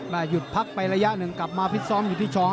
หยุดพักไประยะหนึ่งกลับมาพิษซ้อมอยู่ที่ช้อ